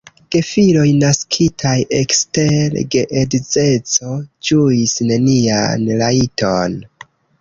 Gefiloj naskitaj ekster geedzeco ĝuis nenian rajton.